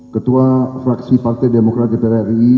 ketua fraksi partai demokrat dpr ri